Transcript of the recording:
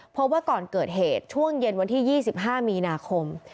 เพราะว่าก่อนเกิดเหตุช่วงเย็นวันที่๒๕มีนาคม